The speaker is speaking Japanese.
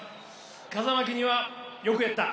風巻には「よくやった！」。